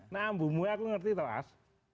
nah bumbunya aku ngerti tuh as